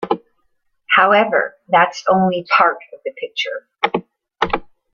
However, that's only part of the picture.